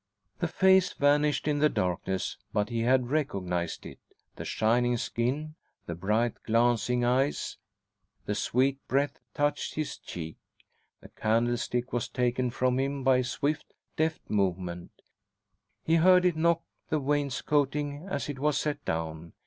The face vanished in the darkness, but he had recognised it the shining skin, the bright glancing eyes. The sweet breath touched his cheek. The candlestick was taken from him by a swift, deft movement. He heard it knock the wainscoting as it was set down.